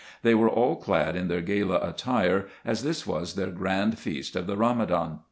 They were all clad in their gala attire, as this was their grand feast of the Eamadan.